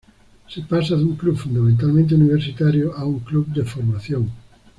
Se pasa de un club fundamentalmente universitario, a un club de formación.